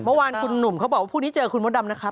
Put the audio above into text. เมื่อวานคุณหนุ่มเขาบอกว่าพรุ่งนี้เจอคุณมดดำนะครับ